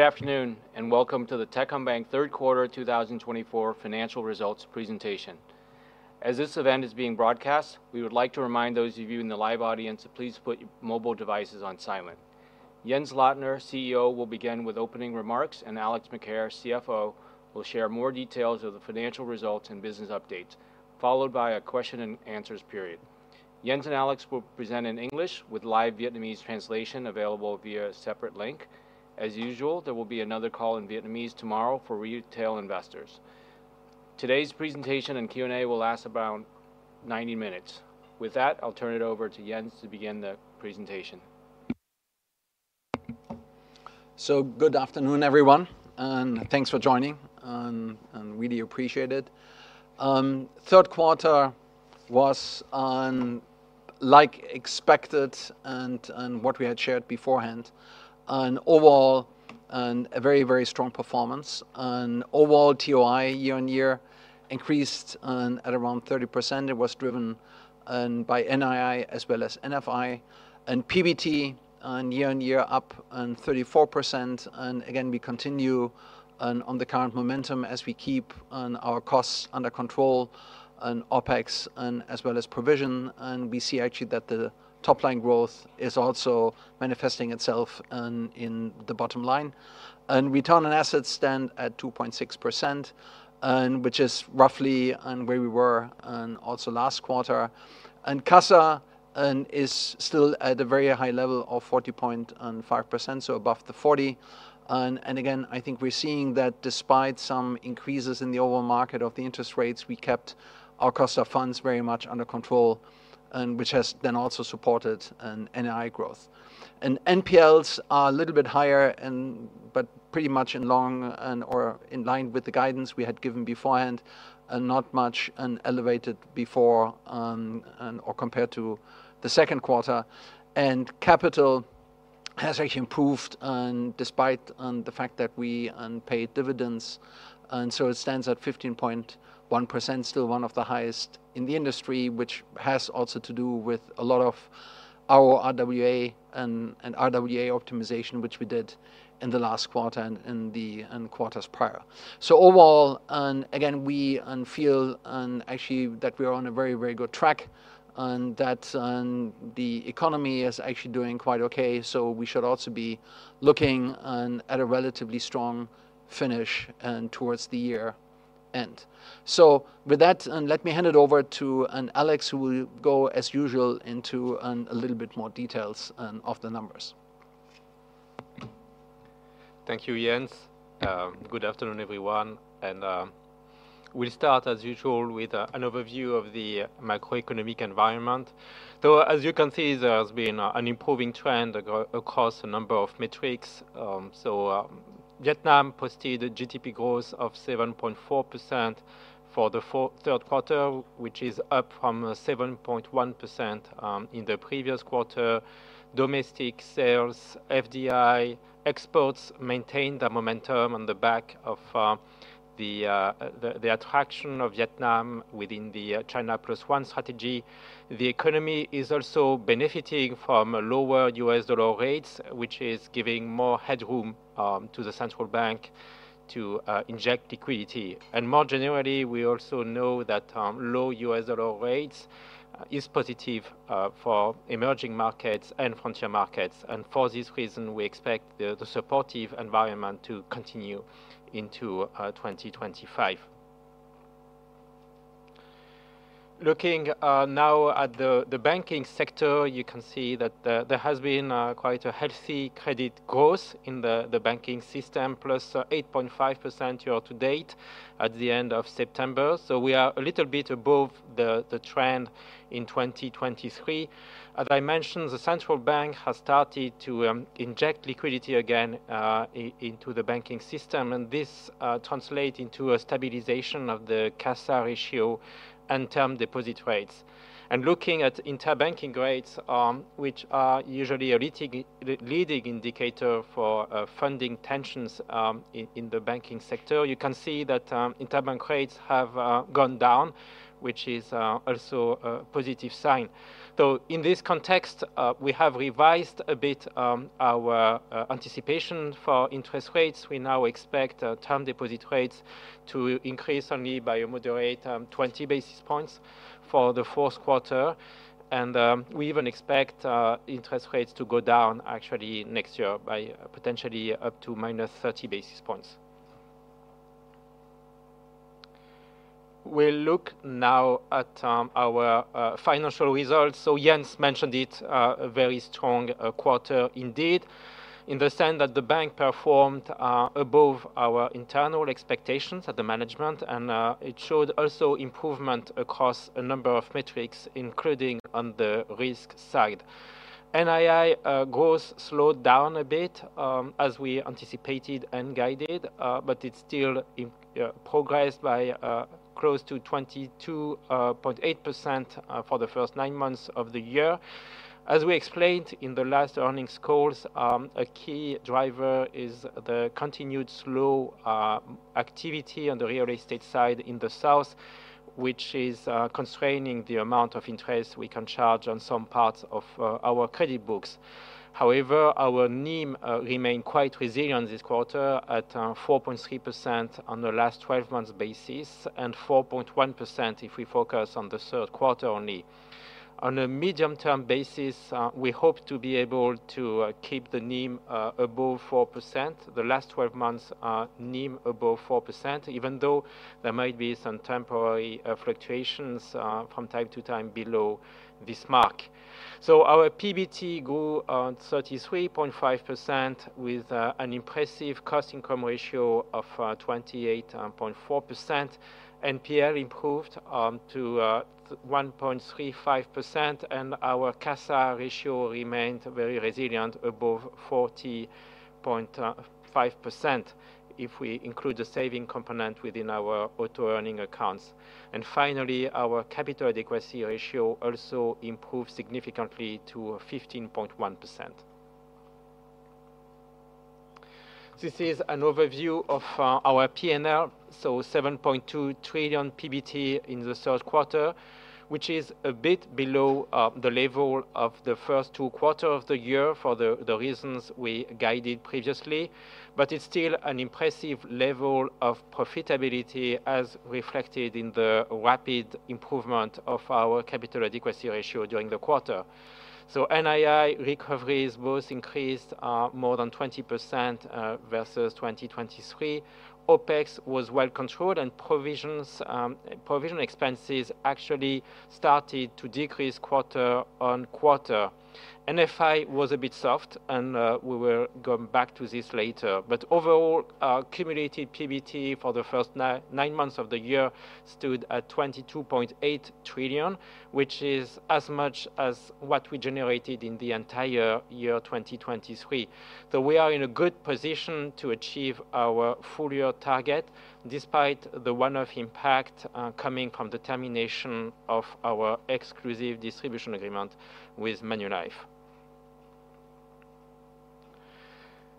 Good afternoon, and welcome to the Techcombank third quarter 2024 financial results presentation. As this event is being broadcast, we would like to remind those of you in the live audience to please put your mobile devices on silent. Jens Lottner, CEO, will begin with opening remarks, and Alex Macaire, CFO, will share more details of the financial results and business updates, followed by a question and answers period. Jens and Alex will present in English with live Vietnamese translation available via a separate link. As usual, there will be another call in Vietnamese tomorrow for retail investors. Today's presentation and Q&A will last about 90 minutes. With that, I'll turn it over to Jens to begin the presentation. Good afternoon, everyone, and thanks for joining and really appreciate it. Third quarter was, like expected and what we had shared beforehand, an overall a very, very strong performance. Overall, TOI year-on-year increased at around 30%. It was driven by NII as well as NFI and PBT year-on-year up 34%. And again, we continue on the current momentum as we keep our costs under control and OpEx as well as provision. And we see actually that the top line growth is also manifesting itself in the bottom line. Return on assets stand at 2.6%, which is roughly where we were also last quarter. And CASA is still at a very high level of 40.5%, so above the 40. Again, I think we're seeing that despite some increases in the overall market of the interest rates, we kept our cost of funds very much under control, which has then also supported NII growth. NPLs are a little bit higher, but pretty much in line, or in line with the guidance we had given beforehand, and not much elevated before and/or compared to the second quarter. Capital has actually improved despite the fact that we paid dividends, and so it stands at 15.1%, still one of the highest in the industry, which has also to do with a lot of our RWA and RWA optimization, which we did in the last quarter and the quarters prior. So overall, again, we feel actually that we are on a very, very good track, and that the economy is actually doing quite okay, so we should also be looking at a relatively strong finish towards the year-end. So, with that, let me hand it over to Alex, who will go, as usual, into a little bit more details of the numbers.... Thank you, Jens. Good afternoon, everyone, and we'll start as usual with an overview of the macroeconomic environment. So, as you can see, there has been an improving trend across a number of metrics. So, Vietnam posted a GDP growth of 7.4% for the third quarter, which is up from 7.1% in the previous quarter. Domestic sales, FDI, exports maintained the momentum on the back of the attraction of Vietnam within the China Plus One strategy. The economy is also benefiting from a lower U.S. dollar rate, which is giving more headroom to the central bank to inject liquidity. More generally, we also know that low U.S. dollar rates is positive for emerging markets and frontier markets, and for this reason, we expect the supportive environment to continue into twenty twenty-five. Looking now at the banking sector, you can see that there has been quite a healthy credit growth in the banking system, plus 8.5% year to date at the end of September, so we are a little bit above the trend in twenty twenty-three. As I mentioned, the central bank has started to inject liquidity again into the banking system, and this translate into a stabilization of the CASA ratio and term deposit rates. Looking at interbank rates, which are usually a leading indicator for funding tensions in the banking sector, you can see that interbank rates have gone down, which is also a positive sign. In this context, we have revised a bit our anticipation for interest rates. We now expect term deposit rates to increase only by a moderate 20 basis points for the fourth quarter, and we even expect interest rates to go down actually next year by potentially up to minus 30 basis points. We'll look now at our financial results. So, Jens mentioned it, a very strong quarter indeed, in the sense that the bank performed above our internal expectations at the management, and it showed also improvement across a number of metrics, including on the risk side. NII growth slowed down a bit, as we anticipated and guided, but it still progressed by close to 22.8% for the first nine months of the year. As we explained in the last earnings calls, a key driver is the continued slow activity on the real estate side in the South, which is constraining the amount of interest we can charge on some parts of our credit books. However, our NIM remained quite resilient this quarter at 4.3% on the last twelve months basis, and 4.1% if we focus on the third quarter only. On a medium-term basis, we hope to be able to keep the NIM above 4%. The last twelve months NIM above 4%, even though there might be some temporary fluctuations from time to time below this mark. So, our PBT grew 33.5% with an impressive cost-income ratio of 28.4%. NPL improved to 1.35%, and our CASA ratio remained very resilient, above 40.5%, if we include the saving component within our Auto-Earning accounts. And finally, our capital adequacy ratio also improved significantly to 15.1%. This is an overview of our PNL, so 7.2 trillion PBT in the third quarter, which is a bit below the level of the first two quarters of the year for the reasons we guided previously, but it's still an impressive level of profitability, as reflected in the rapid improvement of our capital adequacy ratio during the quarter, so NII recoveries both increased more than 20% versus 2023. OpEx was well controlled, and provisions, provision expenses actually started to decrease quarter on quarter. NFI was a bit soft, and we will come back to this later, but overall, our cumulative PBT for the first nine months of the year stood at 22.8 trillion, which is as much as what we generated in the entire year 2023. So we are in a good position to achieve our full-year target, despite the one-off impact coming from the termination of our exclusive distribution agreement with Manulife.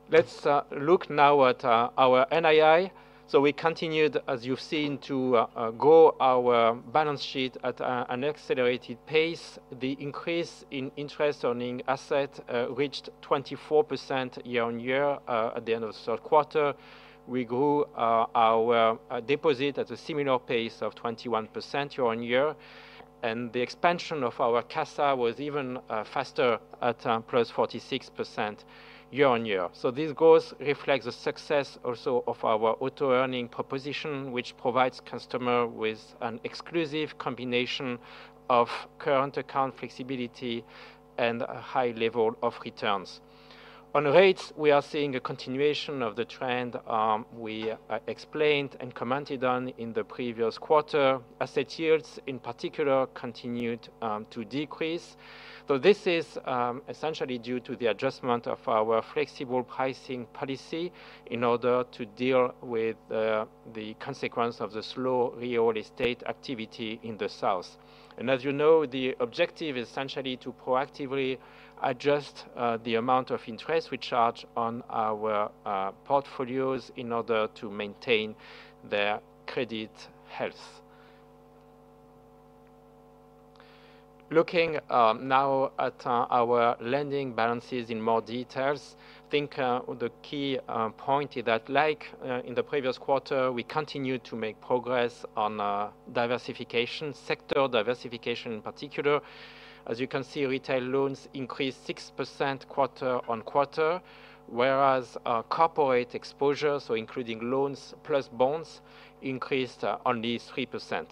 Let's look now at our NII. So, we continued, as you've seen, to grow our balance sheet at an accelerated pace. The increase in interest on earning asset reached 24% year on year at the end of the third quarter. We grew our deposit at a similar pace of 21% year on year, and the expansion of our CASA was even faster at plus 46% year on year. So this growth reflects the success also of our Auto-Earning proposition, which provides customer with an exclusive combination of current account flexibility and a high level of returns. On rates, we are seeing a continuation of the trend we explained and commented on in the previous quarter. Asset yields, in particular, continued to decrease. So this is essentially due to the adjustment of our flexible pricing policy in order to deal with the consequence of the slow real estate activity in the South. And as you know, the objective is essentially to proactively adjust the amount of interest we charge on our portfolios in order to maintain their credit health. Looking now at our lending balances in more details, I think the key point is that, like, in the previous quarter, we continued to make progress on diversification, sector diversification in particular. As you can see, retail loans increased 6% quarter on quarter, whereas our corporate exposure, so including loans plus bonds, increased only 3%.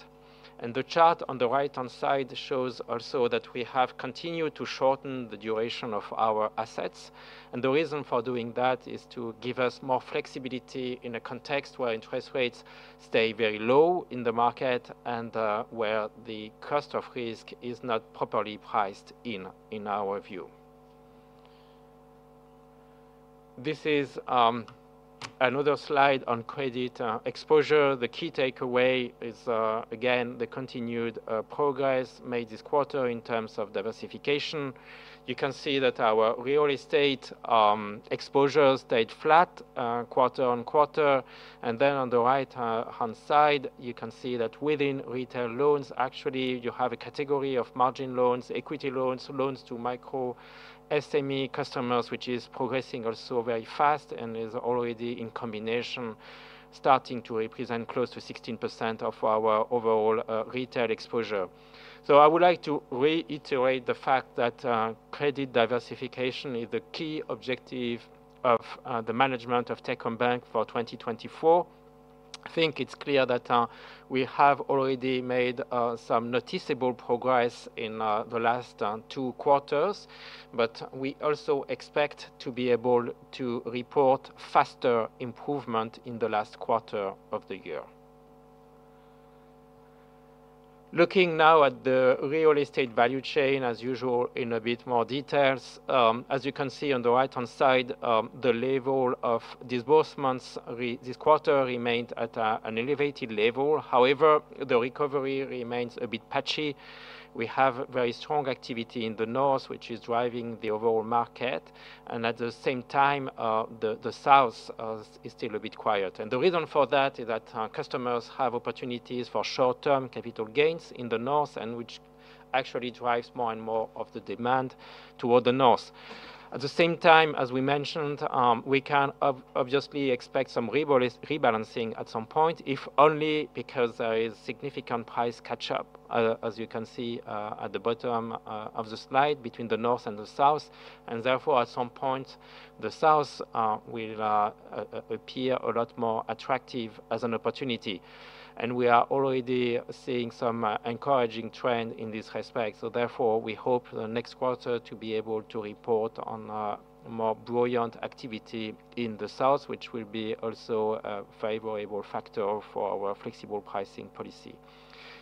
The chart on the right-hand side shows also that we have continued to shorten the duration of our assets, and the reason for doing that is to give us more flexibility in a context where interest rates stay very low in the market and where the cost of risk is not properly priced in, in our view. This is another slide on credit exposure. The key takeaway is, again, the continued progress made this quarter in terms of diversification. You can see that our real estate exposure stayed flat quarter on quarter, and then on the right hand side, you can see that within retail loans, actually, you have a category of margin loans, equity loans, loans to micro SME customers, which is progressing also very fast and is already in combination starting to represent close to 16% of our overall retail exposure. So I would like to reiterate the fact that credit diversification is the key objective of the management of Techcombank for 2024. I think it's clear that we have already made some noticeable progress in the last two quarters, but we also expect to be able to report faster improvement in the last quarter of the year. Looking now at the real estate value chain, as usual, in a bit more details. As you can see on the right-hand side, the level of disbursements this quarter remained at an elevated level. However, the recovery remains a bit patchy. We have very strong activity in the North, which is driving the overall market, and at the same time, the South is still a bit quiet. The reason for that is that our customers have opportunities for short-term capital gains in the North, and which actually drives more and more of the demand toward the North. At the same time, as we mentioned, we can obviously expect some rebalancing at some point, if only because there is significant price catch-up, as you can see, at the bottom of the slide, between the North and the South, and therefore, at some point, the South will appear a lot more attractive as an opportunity, and we are already seeing some encouraging trend in this respect, so therefore, we hope the next quarter to be able to report on a more buoyant activity in the South, which will be also a favorable factor for our flexible pricing policy.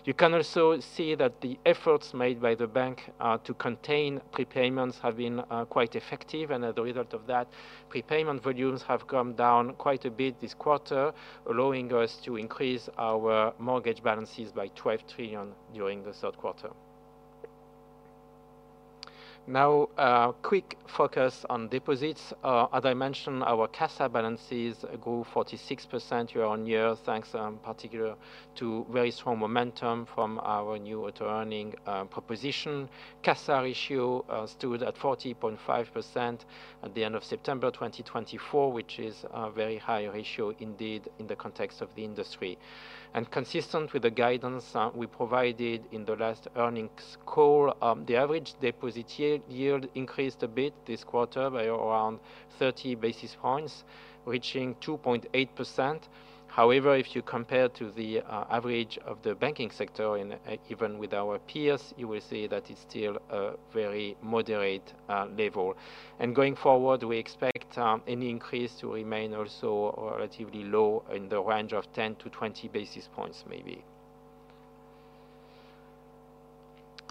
You can also see that the efforts made by the bank to contain prepayments have been quite effective, and as a result of that, prepayment volumes have come down quite a bit this quarter, allowing us to increase our mortgage balances by 12 trillion during the third quarter. Now, a quick focus on deposits. As I mentioned, our CASA balances grew 46% year-on-year, thanks particular to very strong momentum from our new auto-earning proposition. CASA ratio stood at 40.5% at the end of September 2024, which is a very high ratio indeed, in the context of the industry. Consistent with the guidance we provided in the last earnings call, the average deposit yield increased a bit this quarter by around thirty basis points, reaching 2.8%. However, if you compared to the average of the banking sector, and even with our peers, you will see that it's still a very moderate level. And going forward, we expect any increase to remain also relatively low in the range of 10-20 basis points, maybe.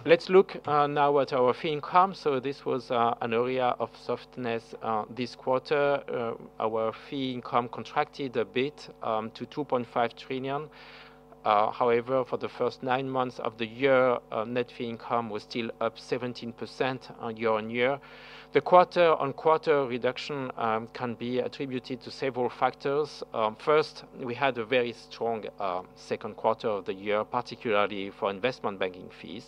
Let's look now at our fee income. So, this was an area of softness this quarter. Our fee income contracted a bit to 2.5 trillion. However, for the first nine months of the year, net fee income was still up 17% on year-on-year. The quarter-on-quarter reduction can be attributed to several factors. First, we had a very strong second quarter of the year, particularly for investment banking fees.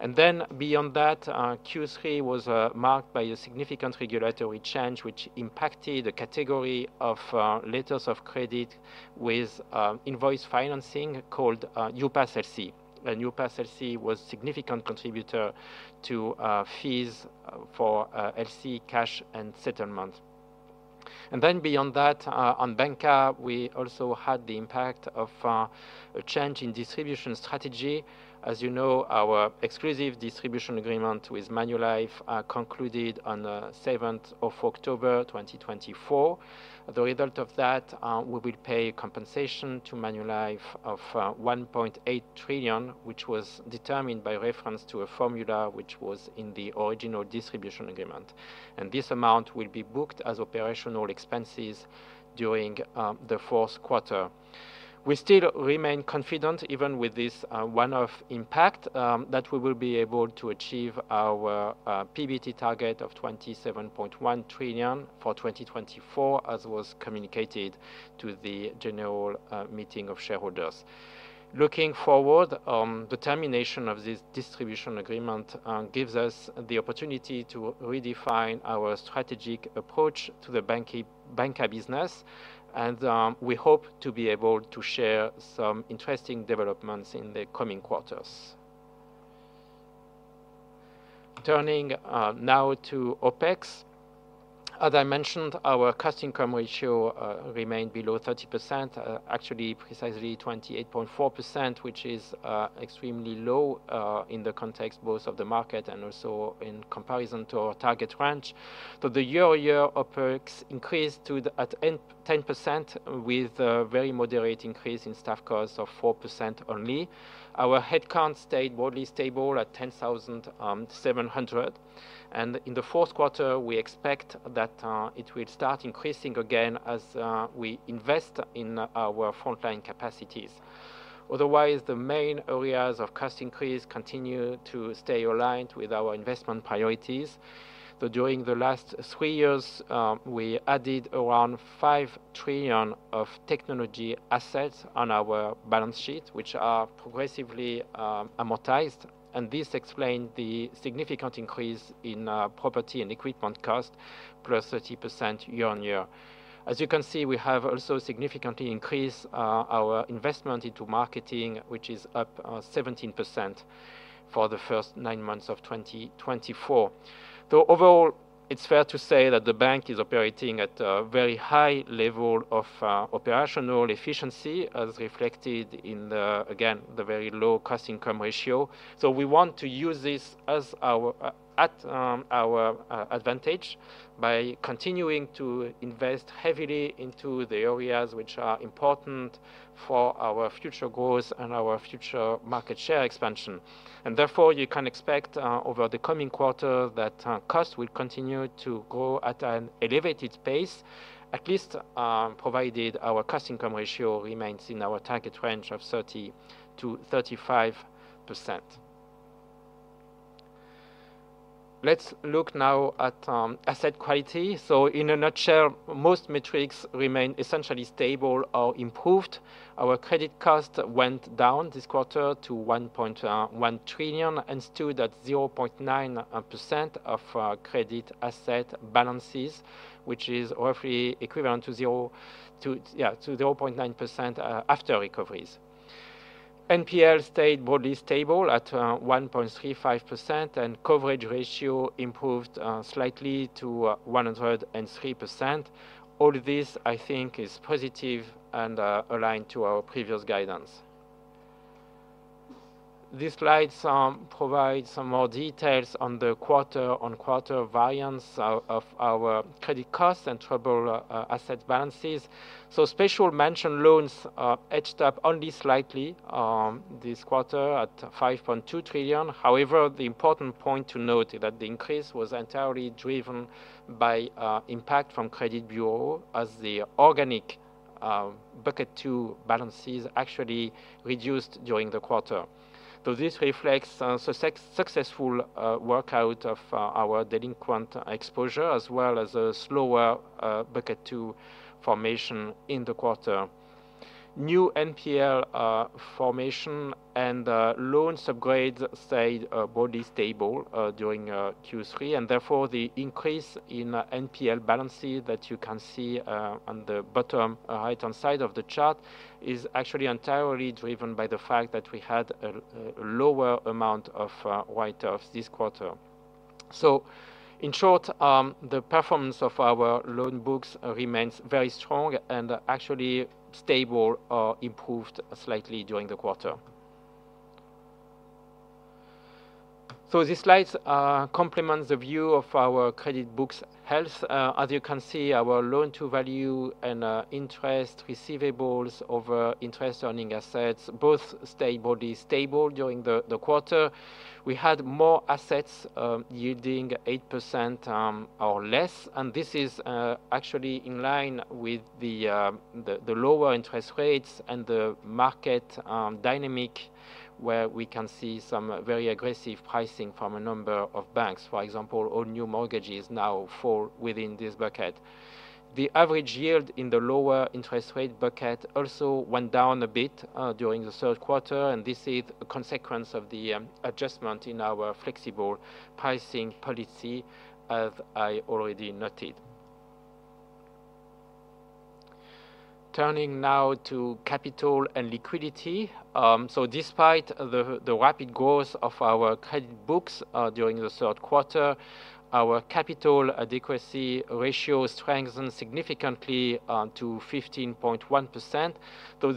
And then beyond that, Q3 was marked by a significant regulatory change, which impacted a category of letters of credit with invoice financing called UPAS LC. And UPAS LC was significant contributor to fees for LC cash and settlement. And then beyond that, on banca, we also had the impact of a change in distribution strategy. As you know, our exclusive distribution agreement with Manulife concluded on the seventh of October, twenty twenty-four. The result of that, we will pay compensation to Manulife of 1.8 trillion, which was determined by reference to a formula which was in the original distribution agreement. And this amount will be booked as operational expenses during the fourth quarter. We still remain confident, even with this one-off impact, that we will be able to achieve our PBT target of 27.1 trillion for 2024, as was communicated to the general meeting of shareholders. Looking forward, the termination of this distribution agreement gives us the opportunity to redefine our strategic approach to the bancassurance business, and we hope to be able to share some interesting developments in the coming quarters. Turning now to OpEx. As I mentioned, our cost-income ratio remained below 30%, actually precisely 28.4%, which is extremely low in the context both of the market and also in comparison to our target range. The year-over-year OpEx increased 10%, with a very moderate increase in staff costs of 4% only. Our headcount stayed broadly stable at ten thousand, seven hundred, and in the fourth quarter, we expect that, it will start increasing again as, we invest in our frontline capacities. Otherwise, the main areas of cost increase continue to stay aligned with our investment priorities. So during the last three years, we added around 5 trillion of technology assets on our balance sheet, which are progressively, amortized, and this explained the significant increase in, property and equipment cost, plus 30% year-on-year. As you can see, we have also significantly increased, our investment into marketing, which is up, 17% for the first nine months of 2024. So overall, it's fair to say that the bank is operating at a very high level of, operational efficiency, as reflected in the, again, the very low cost-income ratio. We want to use this as our advantage by continuing to invest heavily into the areas which are important for our future growth and our future market share expansion. Therefore, you can expect over the coming quarter that costs will continue to grow at an elevated pace, at least, provided our cost-income ratio remains in our target range of 30%-35%. Let's look now at asset quality. In a nutshell, most metrics remain essentially stable or improved. Our credit cost went down this quarter to 1.1 trillion and stood at 0.9% of our credit asset balances, which is roughly equivalent to zero to yeah, to 0.9% after recoveries. NPL stayed broadly stable at 1.35%, and coverage ratio improved slightly to 103%. All this, I think, is positive and aligned to our previous guidance. These slides provide some more details on the quarter-on-quarter variance of our credit costs and troubled asset balances, so special mention loans edged up only slightly this quarter at 5.2 trillion. However, the important point to note is that the increase was entirely driven by impact from credit bureau, as the organic Bucket 2 balances actually reduced during the quarter, so this reflects successful workout of our delinquent exposure, as well as a slower Bucket 2 formation in the quarter. New NPL formation and loan subgrades stayed broadly stable during Q3, and therefore, the increase in NPL balances that you can see on the bottom right-hand side of the chart is actually entirely driven by the fact that we had a lower amount of write-offs this quarter, so in short, the performance of our loan books remains very strong and actually stable or improved slightly during the quarter, so these slides complement the view of our credit books' health. As you can see, our loan-to-value and interest receivables over interest-earning assets both stayed broadly stable during the quarter. We had more assets, yielding 8%, or less, and this is actually in line with the lower interest rates and the market dynamic, where we can see some very aggressive pricing from a number of banks. For example, all new mortgages now fall within this bucket. The average yield in the lower interest rate bucket also went down a bit during the third quarter, and this is a consequence of the adjustment in our flexible pricing policy, as I already noted. Turning now to capital and liquidity. So despite the rapid growth of our credit books during the third quarter, our capital adequacy ratio strengthened significantly to 15.1%.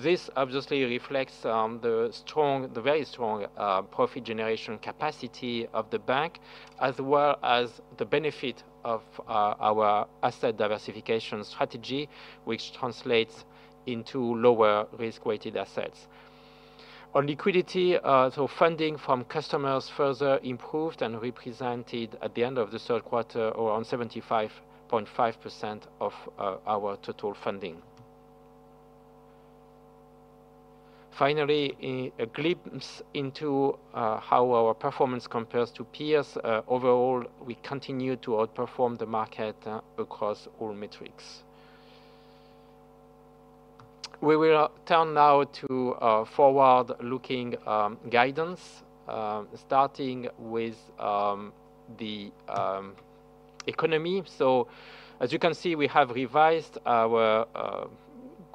This obviously reflects the strong, the very strong profit generation capacity of the bank, as well as the benefit of our asset diversification strategy, which translates into lower risk-weighted assets. On liquidity, funding from customers further improved and represented at the end of the third quarter around 75.5% of our total funding. Finally, a glimpse into how our performance compares to peers. Overall, we continue to outperform the market across all metrics. We will turn now to forward-looking guidance, starting with the economy. As you can see, we have revised our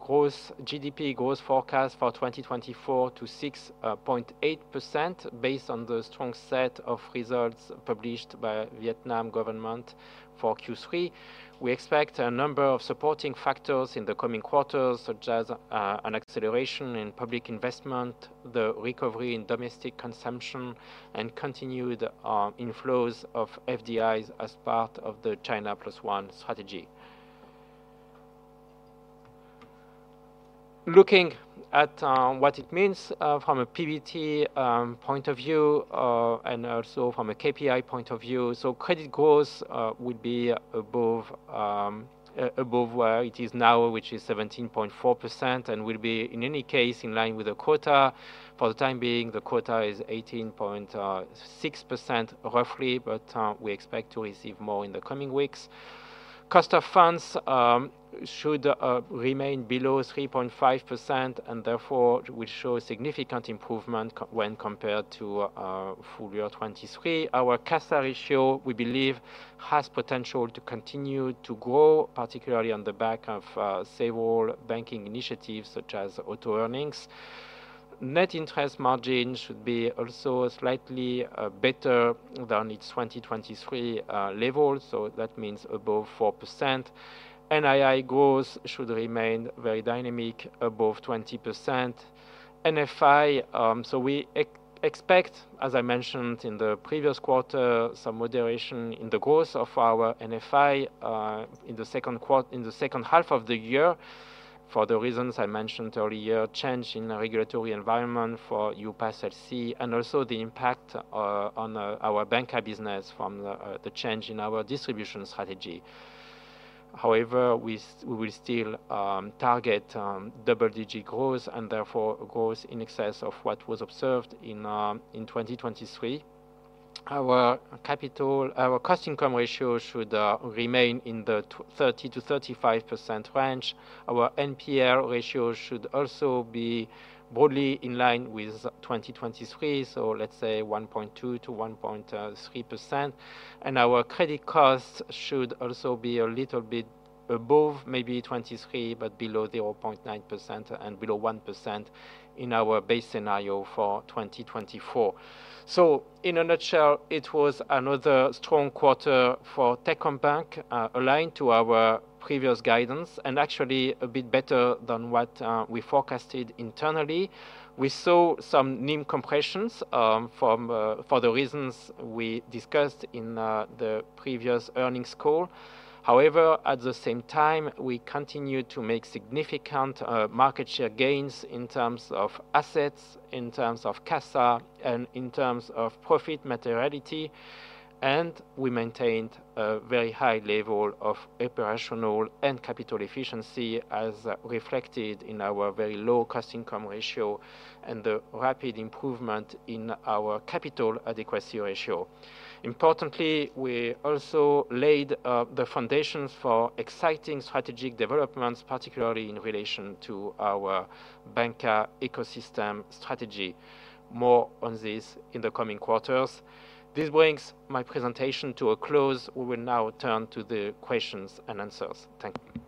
GDP growth forecast for 2024 to 6.8%, based on the strong set of results published by the Vietnamese government for Q3. We expect a number of supporting factors in the coming quarters, such as, an acceleration in public investment, the recovery in domestic consumption, and continued, inflows of FDIs as part of the China Plus One strategy. Looking at, what it means, from a PBT, point of view, and also from a KPI point of view. So credit growth, would be above where it is now, which is 17.4%, and will be, in any case, in line with the quota. For the time being, the quota is 18.6%, roughly, but, we expect to receive more in the coming weeks. Cost of funds, should, remain below 3.5%, and therefore, will show a significant improvement when compared to, full year 2023. Our CASA ratio, we believe, has potential to continue to grow, particularly on the back of several banking initiatives, such as Auto-Earning. Net interest margin should be also slightly better than its 2023 level, so that means above 4%. NII growth should remain very dynamic, above 20%. NFI, so we expect, as I mentioned in the previous quarter, some moderation in the growth of our NFI in the second half of the year, for the reasons I mentioned earlier, change in the regulatory environment for UPAS LC, and also the impact on our bancassurance business from the change in our distribution strategy. However, we will still target double-digit growth, and therefore, growth in excess of what was observed in 2023. Our capital, our cost-income ratio should remain in the 30-35% range. Our NPL ratio should also be broadly in line with 2023, so let's say 1.2%-1.3%. Our credit costs should also be a little bit above maybe 2023, but below 0.9% and below 1% in our base scenario for 2024. In a nutshell, it was another strong quarter for Techcombank, aligned to our previous guidance, and actually a bit better than what we forecasted internally. We saw some NIM compressions from for the reasons we discussed in the previous earnings call. However, at the same time, we continued to make significant market share gains in terms of assets, in terms of CASA, and in terms of profit materiality, and we maintained a very high level of operational and capital efficiency, as reflected in our very low cost-income ratio and the rapid improvement in our capital adequacy ratio. Importantly, we also laid the foundation for exciting strategic developments, particularly in relation to our banca ecosystem strategy. More on this in the coming quarters. This brings my presentation to a close. We will now turn to the questions and answers. Thank you.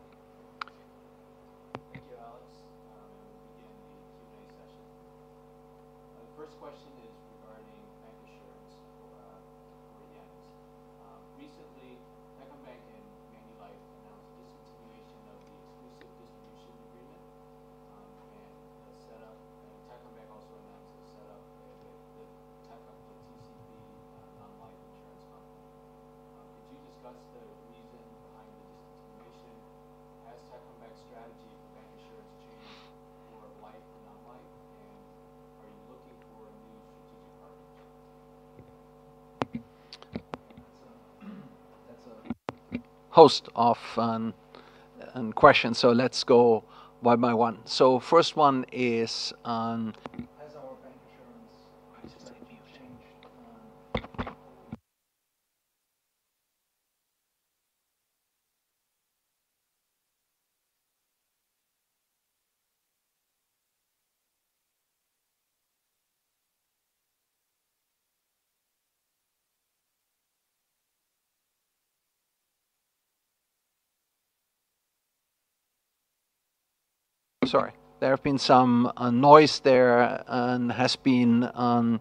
on- Has our bancassurance strategy changed?... Sorry, there have been some noise there, and there has been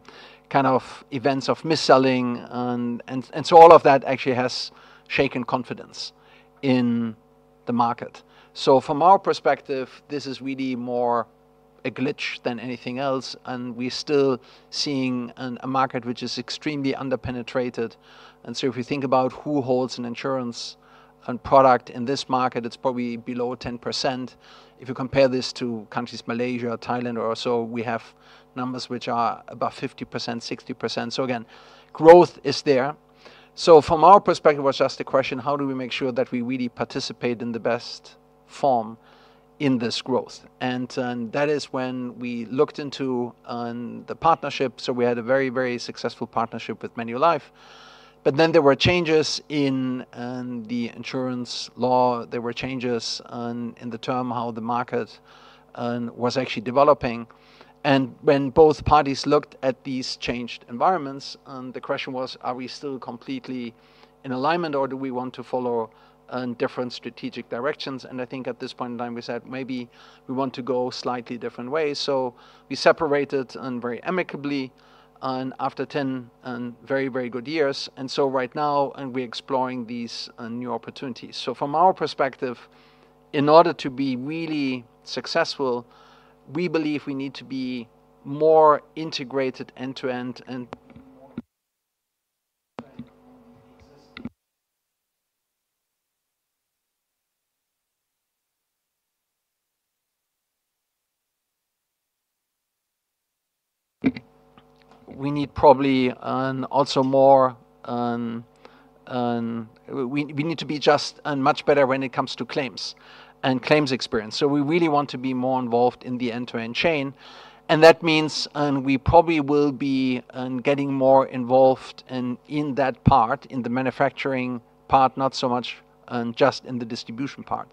kind of events of misselling. And so, all of that actually has shaken confidence in the market. So, from our perspective, this is really more a glitch than anything else, and we're still seeing a market which is extremely under-penetrated. And so, if you think about who holds an insurance product in this market, it's probably below 10%. If you compare this to countries like Malaysia or Thailand or so, we have numbers which are above 50%, 60%. So again, growth is there. So, from our perspective, it was just a question: how do we make sure that we really participate in the best form in this growth? And that is when we looked into the partnership. So, we had a very, very successful partnership with Manulife. But then there were changes in the insurance law. There were changes in the term, how the market was actually developing. And when both parties looked at these changed environments, the question was: Are we still completely in alignment, or do we want to follow different strategic directions? And I think at this point in time, we said, "Maybe we want to go slightly different ways." So, we separated, and very amicably, and after ten very, very good years. And so right now, and we're exploring these new opportunities. So, from our perspective, in order to be really successful, we believe we need to be more integrated end-to-end, and we need probably also more. We need to be just much better when it comes to claims and claims experience. So we really want to be more involved in the end-to-end chain, and that means we probably will be getting more involved in that part, in the manufacturing part, not so much just in the distribution part,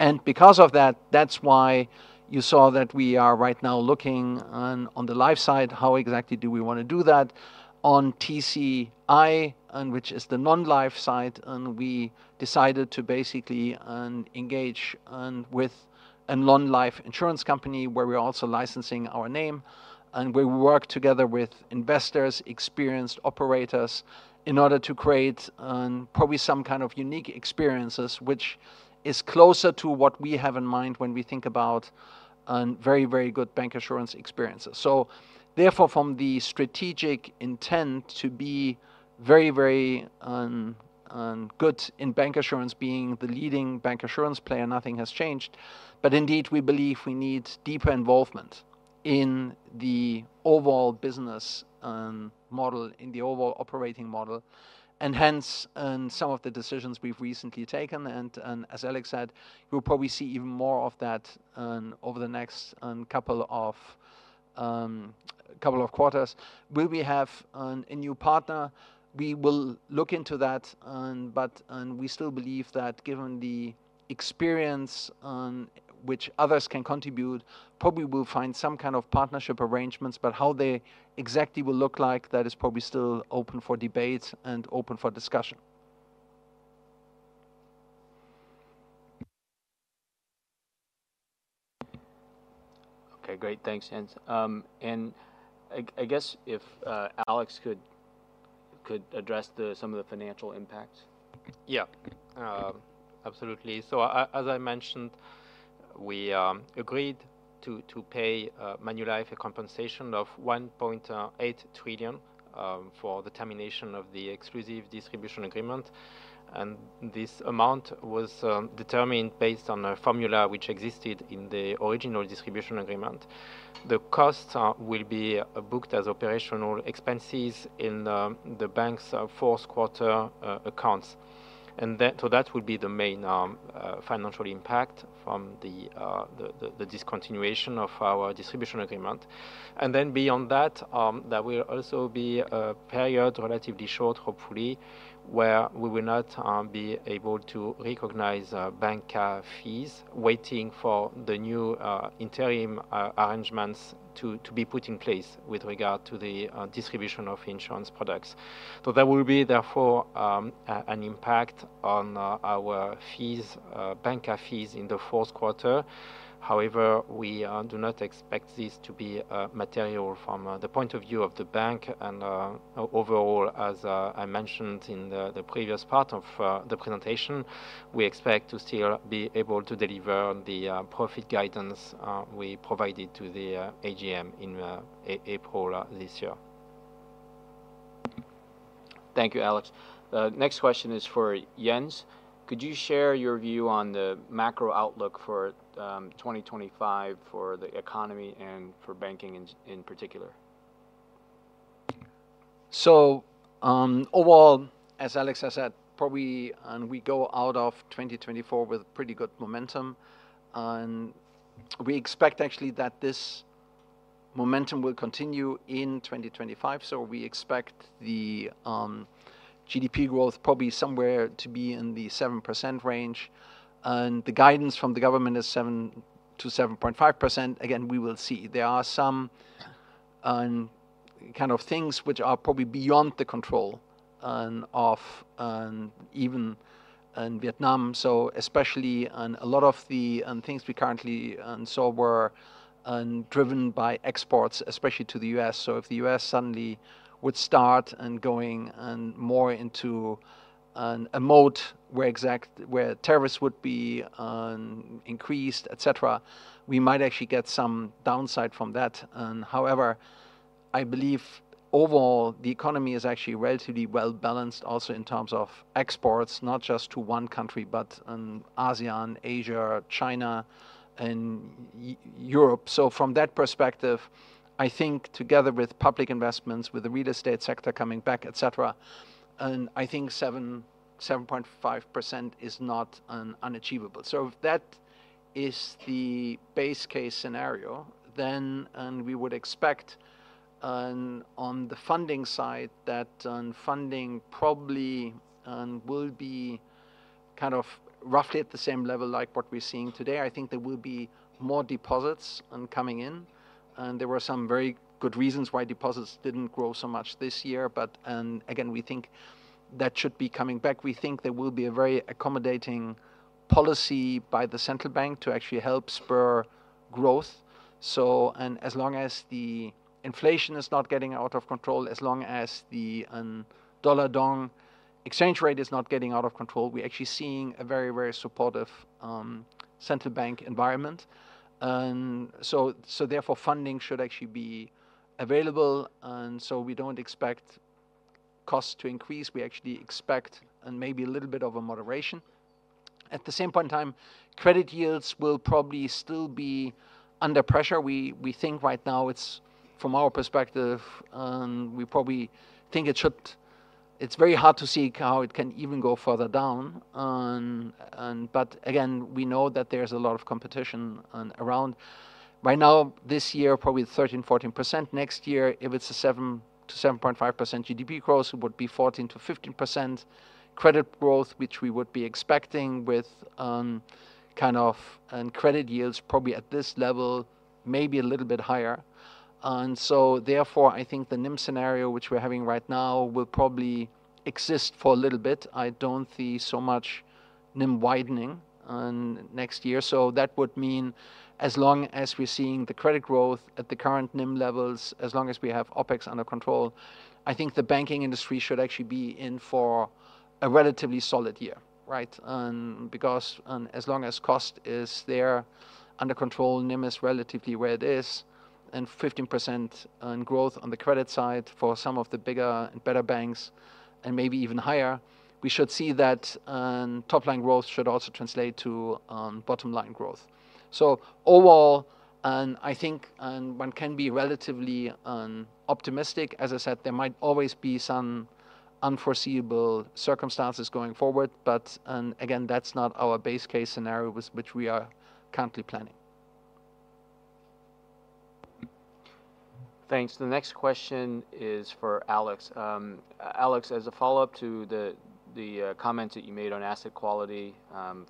and because of that, that's why you saw that we are right now looking on the life side, how exactly do we wanna do that on TCI, and which is the non-life side, and we decided to basically engage with a non-life insurance company, where we're also licensing our name, and we work together with investors, experienced operators, in order to create probably some kind of unique experiences, which is closer to what we have in mind when we think about very, very good bancassurance experiences. So therefore, from the strategic intent to be very, very good in bancassurance, being the leading bancassurance player, nothing has changed. But indeed, we believe we need deeper involvement in the overall business model, in the overall operating model, and hence some of the decisions we've recently taken. And as Alex said, we'll probably see even more of that over the next couple of quarters. Will we have a new partner? We will look into that, but we still believe that given the experience which others can contribute, probably we'll find some kind of partnership arrangements. But how they exactly will look like, that is probably still open for debate and open for discussion. Okay, great. Thanks, Jens, and I guess if Alex could address some of the financial impacts. Yeah. Absolutely. So, as I mentioned, we agreed to pay Manulife a compensation of 1.8 trillion for the termination of the exclusive distribution agreement, and this amount was determined based on a formula which existed in the original distribution agreement. The costs will be booked as operational expenses in the bank's fourth quarter accounts. And then, so that will be the main financial impact from the discontinuation of our distribution agreement. And then beyond that, there will also be a period, relatively short, hopefully, where we will not be able to recognize bancassurance fees, waiting for the new interim arrangements to be put in place with regard to the distribution of insurance products. There will be, therefore, an impact on our fees, bancassurance fees in the fourth quarter. However, we do not expect this to be material from the point of view of the bank. Overall, as I mentioned in the previous part of the presentation, we expect to still be able to deliver the profit guidance we provided to the AGM in April this year. Thank you, Alex. Next question is for Jens. Could you share your view on the macro-outlook for 2025 for the economy and for banking in particular? So, overall, as Alex has said, probably, and we go out of 2024 with pretty good momentum. And we expect actually that this momentum will continue in 2025, so we expect the GDP growth probably somewhere to be in the 7% range, and the guidance from the government is 7-7.5%. Again, we will see. There are some kinds of things which are probably beyond the control of even in Vietnam. So especially on a lot of the things we currently saw were driven by exports, especially to the U.S. So, if the U.S. suddenly would start and going more into a mode where tariffs would be increased, et cetera, we might actually get some downside from that. However, I believe overall, the economy is actually relatively well-balanced also in terms of exports, not just to one country, but ASEAN, Asia, China, and Europe. So from that perspective, I think together with public investments, with the real estate sector coming back, et cetera, I think 7-7.5% is not unachievable. So if that is the base case scenario, then we would expect on the funding side, that funding probably will be kind of roughly at the same level like what we're seeing today. I think there will be more deposits coming in, and there were some very good reasons why deposits didn't grow so much this year, but, and again, we think that should be coming back. We think there will be a very accommodating policy by the central bank to actually help spur growth. As long as the inflation is not getting out of control, as long as the dollar-dong exchange rate is not getting out of control, we're actually seeing a very, very supportive central bank environment. Therefore, funding should actually be available, and so we don't expect costs to increase. We actually expect maybe a little bit of a moderation. At the same point in time, credit yields will probably still be under pressure. We think right now it's, from our perspective, we probably think it should. It's very hard to see how it can even go further down. But again, we know that there's a lot of competition around. Right now, this year, probably 13-14%. Next year, if it's a 7-7.5% GDP growth, it would be 14-15% credit growth, which we would be expecting with kind of credit yields probably at this level, maybe a little bit higher. And so therefore, I think the NIM scenario, which we're having right now, will probably exist for a little bit. I don't see so much NIM widening next year. So that would mean as long as we're seeing the credit growth at the current NIM levels, as long as we have OpEx under control, I think the banking industry should actually be in for a relatively solid year, right? Because, as long as cost is there, under control, NIM is relatively where it is, and 15% growth on the credit side for some of the bigger and better banks, and maybe even higher, we should see that top-line growth should also translate to bottom-line growth. So overall, I think one can be relatively optimistic. As I said, there might always be some unforeseeable circumstances going forward, but again, that's not our base case scenario, which we are currently planning. Thanks. The next question is for Alex. Alex, as a follow-up to the comments that you made on asset quality,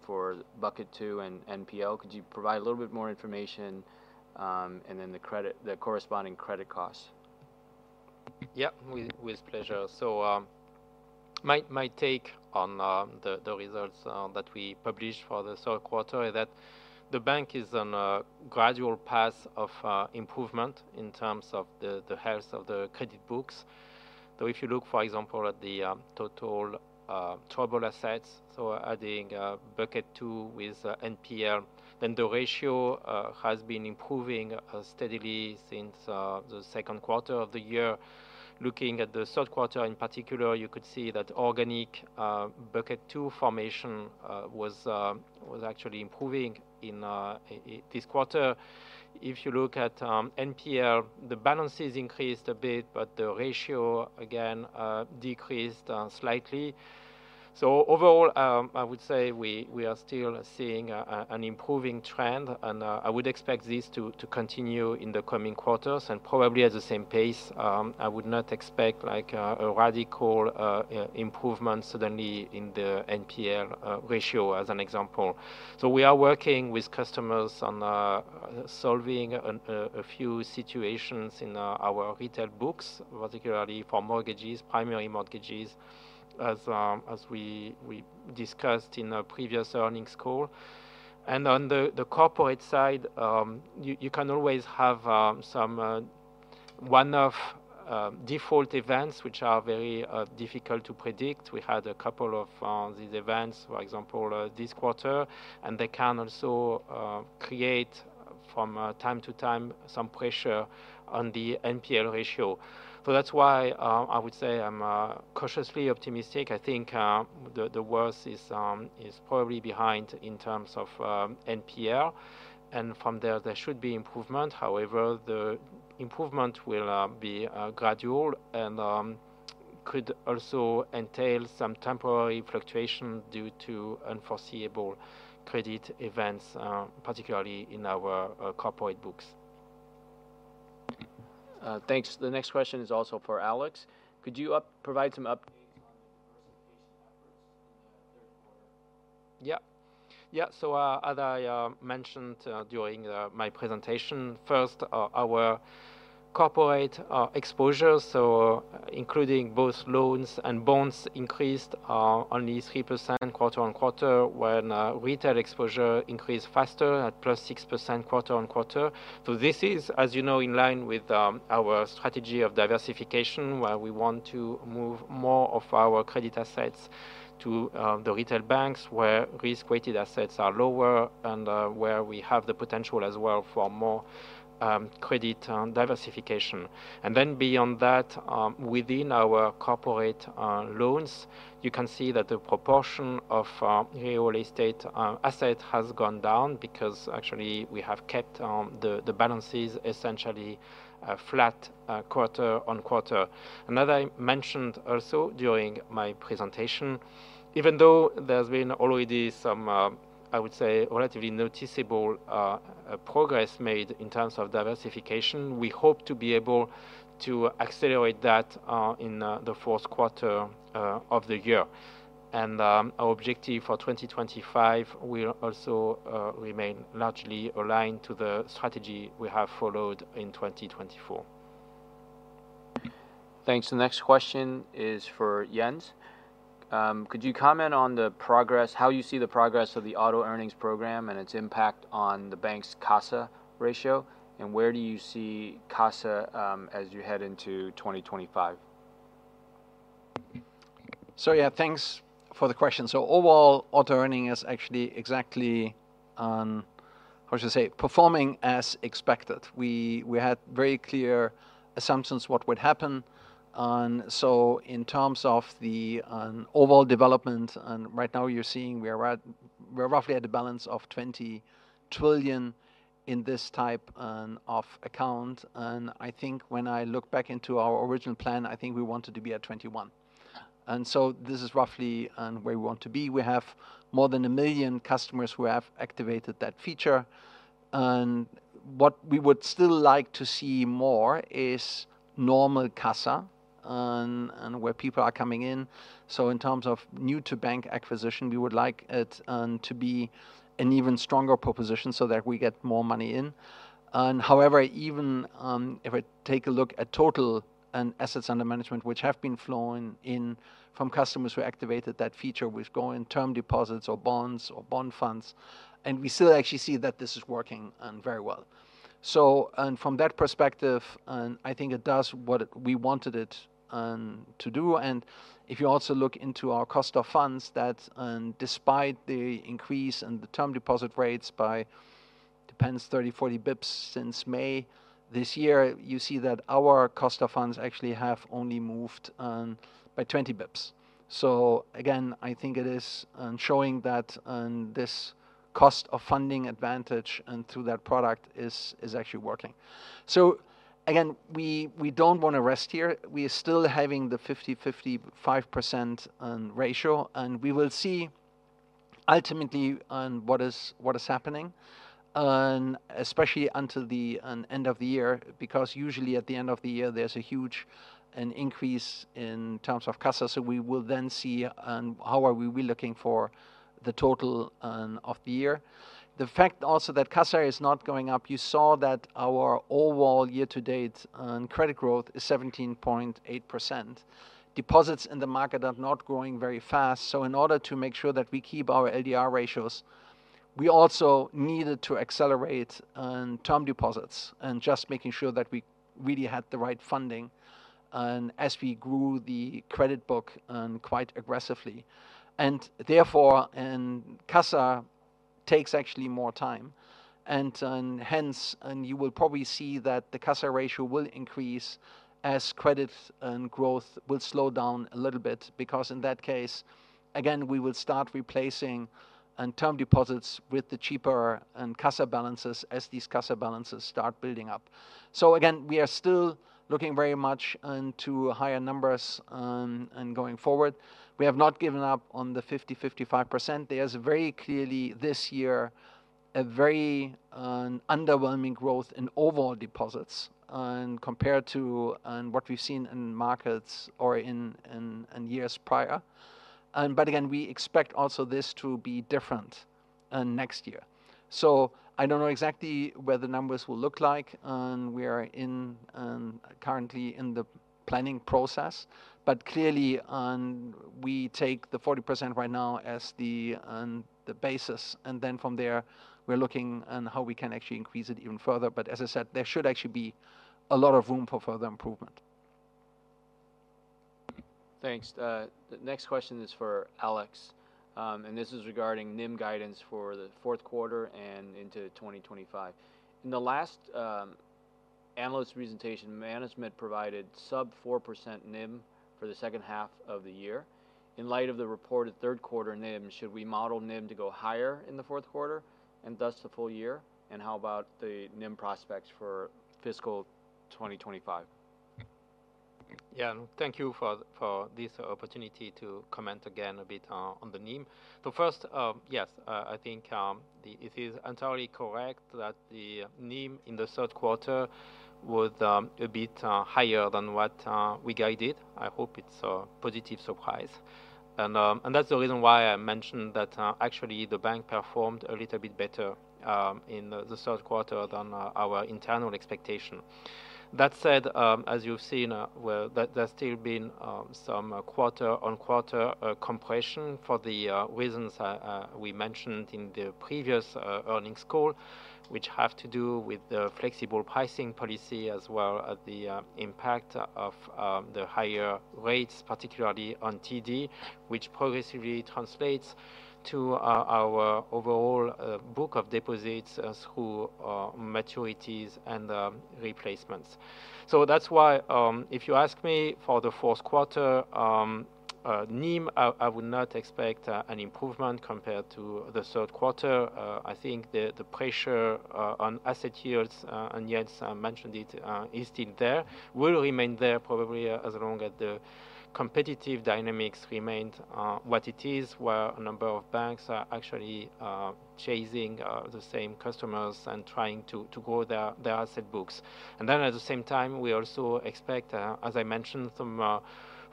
for Bucket 2 and NPL, could you provide a little bit more information, and then the corresponding credit costs? Yeah, with pleasure. My take on the results that we published for the third quarter is that the bank is on a gradual path of improvement in terms of the health of the credit books. So, if you look, for example, at the total assets, so adding Bucket 2 with NPL, then the ratio has been improving steadily since the second quarter of the year. Looking at the third quarter in particular, you could see that organic Bucket 2 formation was actually improving in this quarter. If you look at NPL, the balances increased a bit, but the ratio again decreased slightly. So overall, I would say we are still seeing an improving trend, and I would expect this to continue in the coming quarters and probably at the same pace. I would not expect like a radical improvement suddenly in the NPL ratio, as an example. So we are working with customers on solving a few situations in our retail books, particularly for mortgages, primary mortgages, as we discussed in our previous earnings call. And on the corporate side, you can always have some one-off default events, which are very difficult to predict. We had a couple of these events, for example, this quarter, and they can also create from time to time some pressure on the NPL ratio. So that's why, I would say I'm cautiously optimistic. I think, the worst is probably behind in terms of NPL, and from there, there should be improvement. However, the improvement will be gradual and could also entail some temporary fluctuation due to unforeseeable credit events, particularly in our corporate books. Thanks. The next question is also for Alex. Could you provide some updates?... Yeah. Yeah, so, as I mentioned, during my presentation, first, our corporate exposure, so including both loans and bonds, increased only 3% quarter on quarter, when retail exposure increased faster at plus 6% quarter on quarter. So, this is, as you know, in line with our strategy of diversification, where we want to move more of our credit assets to the retail banks, where risk-weighted assets are lower and where we have the potential as well for more credit diversification. And then beyond that, within our corporate loans, you can see that the proportion of real estate asset has gone down, because actually we have kept the balances essentially flat quarter on quarter. As I mentioned also during my presentation, even though there's been already some, I would say, relatively noticeable progress made in terms of diversification, we hope to be able to accelerate that in the fourth quarter of the year. Our objective for twenty twenty-five will also remain largely aligned to the strategy we have followed in twenty twenty-four. Thanks. The next question is for Jens. Could you comment on how you see the progress of the Auto-Earning program and its impact on the bank's CASA ratio? And where do you see CASA as you head into 2025? Yeah, thanks for the question. Overall, Auto-Earning is actually exactly how should I say? Performing as expected. We had very clear assumptions what would happen. And so in terms of the overall development, and right now you're seeing we are roughly at a balance of 20 trillion VND in this type of account. And I think when I look back into our original plan, I think we wanted to be at 21. And so this is roughly where we want to be. We have more than 1 million customers who have activated that feature. And what we would still like to see more is normal CASA, and where people are coming in. So in terms of new-to-bank acquisition, we would like it to be an even stronger proposition so that we get more money in. However, even if I take a look at total assets under management, which have been flowing in from customers who activated that feature, with growing term deposits or bonds or bond funds, and we still actually see that this is working very well. So, and from that perspective, I think it does what it, we wanted it to do. And if you also look into our cost of funds, that, despite the increase in the term deposit rates by depends 30-40 basis points since May this year, you see that our cost of funds actually have only moved by 20 basis points. So again, I think it is showing that this cost of funding advantage, and through that product, is actually working. So again, we don't want to rest here. We are still having the 50%-55% ratio, and we will see ultimately what is happening, especially until the end of the year, because usually at the end of the year, there's a huge increase in terms of CASA. So, we will then see how are we looking for the total of the year. The fact also that CASA is not going up. You saw that our overall year-to-date credit growth is 17.8%. Deposits in the market are not growing very fast, so in order to make sure that we keep our ADR ratios, we also needed to accelerate term deposits and just making sure that we really had the right funding as we grew the credit book quite aggressively. Therefore, CASA takes actually more time, hence you will probably see that the CASA ratio will increase as credit growth will slow down a little bit. Because in that case, again, we will start replacing term deposits with the cheaper CASA balances as these CASA balances start building up. Again, we are still looking very much into higher numbers and going forward. We have not given up on the 50/55%. There's very clearly this year a very underwhelming growth in overall deposits compared to what we've seen in markets or in years prior. Again, we expect also this to be different next year. So, I don't know exactly what the numbers will look like. We are currently in the planning process, but clearly, we take the 40% right now as the basis, and then from there, we're looking on how we can actually increase it even further. But as I said, there should actually be a lot of room for further improvement. Thanks. The next question is for Alex, and this is regarding NIM guidance for the fourth quarter and into 2025. In the last analyst presentation, management provided sub 4% NIM for the second half of the year. In light of the reported third quarter NIM, should we model NIM to go higher in the fourth quarter, and thus the full year? And how about the NIM prospects for fiscal twenty twenty-five? Yeah, and thank you for this opportunity to comment again a bit on the NIM. So, first, yes, I think it is entirely correct that the NIM in the third quarter was a bit higher than what we guided. I hope it's a positive surprise. And that's the reason why I mentioned that actually the bank performed a little bit better in the third quarter than our internal expectation. That said, as you've seen, well, there's still been some quarter-on-quarter compression for the reasons we mentioned in the previous earnings call, which have to do with the flexible pricing policy, as well as the impact of the higher rates, particularly on TD, which progressively translates to our overall book of deposits as they go through maturities and replacements. So that's why, if you ask me for the fourth quarter NIM, I would not expect an improvement compared to the third quarter. I think the pressure on asset yields, and Jens mentioned it, is still there, will remain there probably as long as the competitive dynamics remain what it is, where a number of banks are actually chasing the same customers and trying to grow their asset books. And then, at the same time, we also expect, as I mentioned,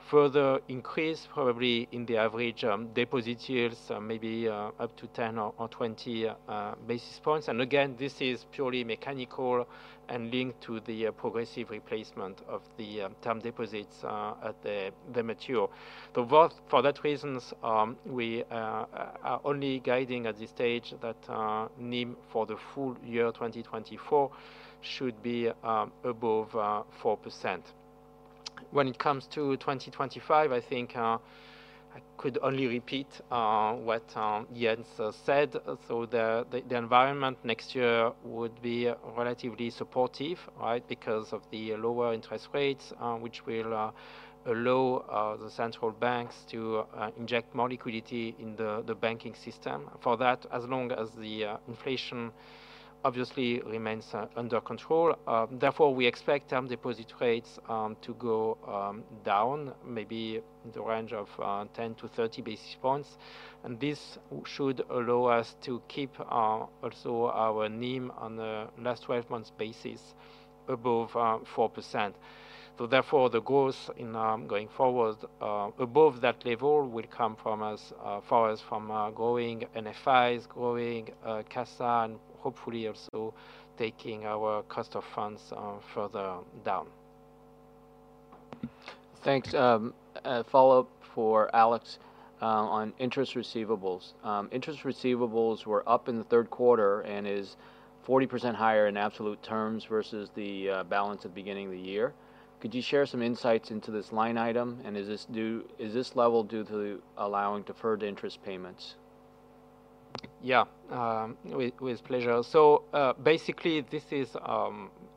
some further increase, probably in the average deposit yields, maybe up to 10 or 20 basis points. And again, this is purely mechanical and linked to the progressive replacement of the term deposits at the maturity. So, for that reasons, we are only guiding at this stage that NIM for the full year 2024 should be above 4%. When it comes to 2025, I think I could only repeat what Jens said. So the environment next year would be relatively supportive, right? Because of the lower interest rates, which will allow the central banks to inject more liquidity in the banking system. For that, as long as the inflation obviously remains under control, therefore, we expect term deposit rates to go down, maybe in the range of 10 to 30 basis points, and this should allow us to keep also our NIM on a last 12 months basis above 4%. So therefore, the goals in going forward above that level will come from us for us from growing NFIs, growing CASA, and hopefully also taking our cost of funds further down. Thanks. A follow-up for Alex on interest receivables. Interest receivables were up in the third quarter and is 40% higher in absolute terms versus the balance at the beginning of the year. Could you share some insights into this line item, and is this level due to allowing deferred interest payments? Yeah, with pleasure. So, basically, this is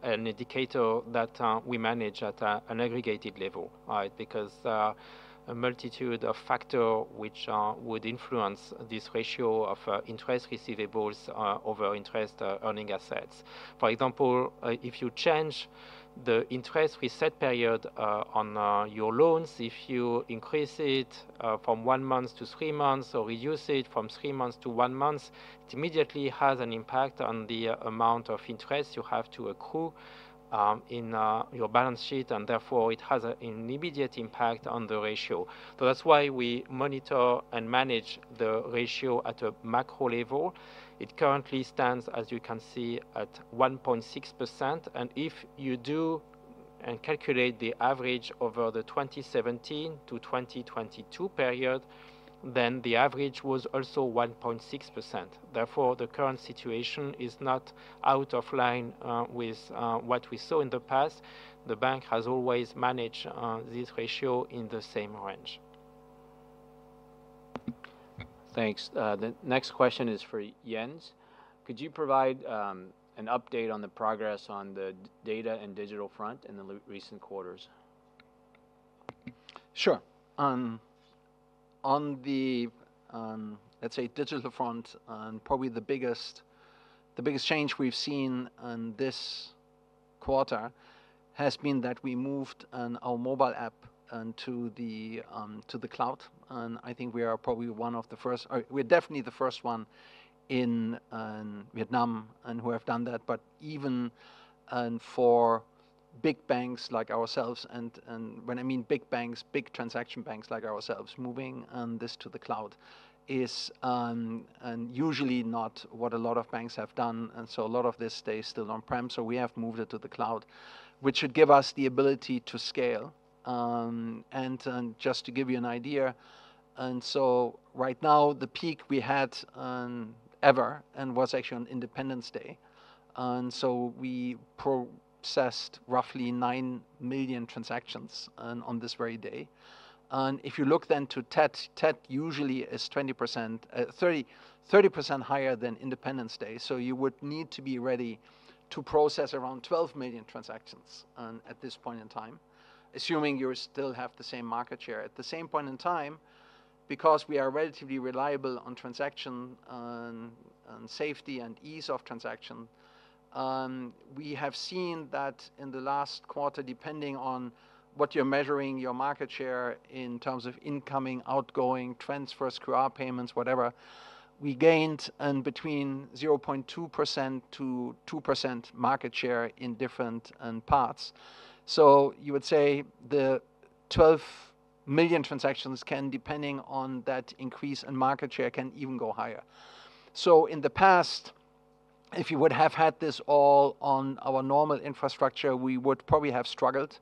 an indicator that we manage at an aggregated level, right? Because a multitude of factor which would influence this ratio of interest receivables over interest earning assets. For example, if you change the interest reset period on your loans, if you increase it from one month to three months, or reduce it from three months to one month, it immediately has an impact on the amount of interest you have to accrue in your balance sheet, and therefore, it has an immediate impact on the ratio. So that's why we monitor and manage the ratio at a macro level. It currently stands, as you can see, at 1.6%, and if you do and calculate the average over the 2017 to 2022 period, then the average was also 1.6%. Therefore, the current situation is not out of line, with, what we saw in the past. The bank has always managed, this ratio in the same range. Thanks. The next question is for Jens. Could you provide an update on the progress on the data and digital front in the recent quarters? Sure. On the, let's say, digital front, and probably the biggest change we've seen on this quarter has been that we moved our mobile app to the cloud, and I think we are probably one of the first... Or we're definitely the first one in Vietnam who have done that. But even for big banks like ourselves, and when I mean big banks, big transaction banks like ourselves, moving this to the cloud is usually not what a lot of banks have done, and so a lot of this stays still on-prem. So we have moved it to the cloud, which should give us the ability to scale. Just to give you an idea, and so right now, the peak we had ever and was actually on Independence Day, and so we processed roughly nine million transactions on this very day. And if you look then to Tet, Tet usually is 20%-30% higher than Independence Day, so you would need to be ready to process around twelve million transactions at this point in time, assuming you still have the same market share. At the same point in time. Because we are relatively reliable on transaction, on safety and ease of transaction, we have seen that in the last quarter, depending on what you're measuring your market share in terms of incoming, outgoing transfers, QR payments, whatever, we gained between 0.2% to 2% market share in different parts. So you would say the 12 million transactions can, depending on that increase in market share, can even go higher. So in the past, if you would have had this all on our normal infrastructure, we would probably have struggled,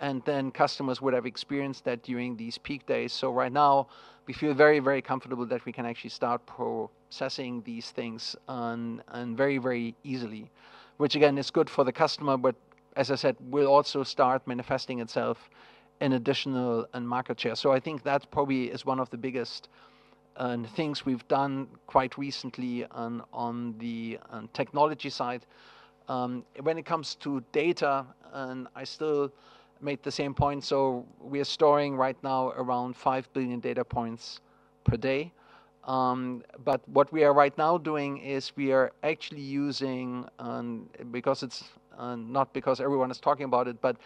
and then customers would have experienced that during these peak days. So right now, we feel very, very comfortable that we can actually start processing these things on very, very easily. Which again is good for the customer, but as I said, will also start manifesting itself in additional market share. So I think that probably is one of the biggest things we've done quite recently on the technology side. When it comes to data, and I still make the same point, so we are storing right now around 5 billion data points per day. But what we are right now doing is we are actually using, because it's not because everyone is talking about it, but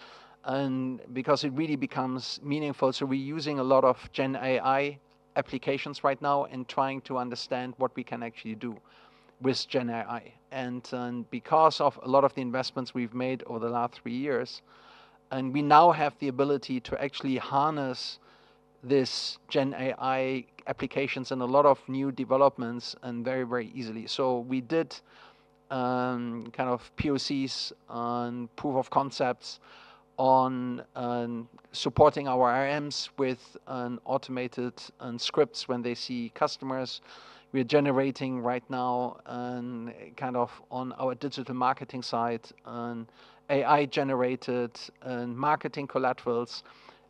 because it really becomes meaningful. So, we're using a lot of Gen AI applications right now and trying to understand what we can actually do with Gen AI. And, because of a lot of the investments we've made over the last three years, and we now have the ability to actually harness this Gen AI applications and a lot of new developments, and very, very easily. So, we did kind of POCs on proof of concepts on supporting our RMs with automated scripts when they see customers. We are generating right now kind of on our digital marketing side AI-generated marketing collaterals.